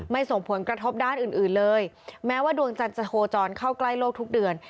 ส่งผลกระทบด้านอื่นอื่นเลยแม้ว่าดวงจันทร์จะโคจรเข้าใกล้โลกทุกเดือน